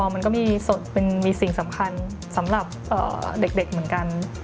มันก็มีสิ่งสำคัญสำหรับเด็กเหมือนกัน